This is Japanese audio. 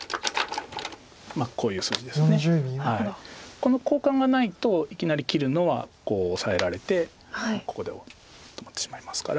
この交換がないといきなり切るのはオサえられてここで止まってしまいますから。